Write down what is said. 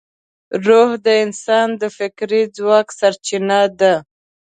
روح د انسان د فکري ځواک سرچینه ده.